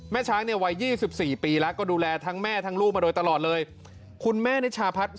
ช้างเนี่ยวัย๒๔ปีแล้วก็ดูแลทั้งแม่ทั้งลูกมาโดยตลอดเลยคุณแม่นิชาพัฒน์